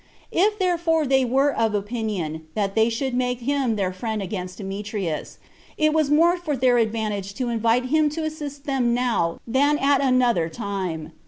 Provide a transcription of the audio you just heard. If therefore they were of opinion that they should make him their friend against Demetrius, it was more for their advantage to invite him to assist them now than at another time.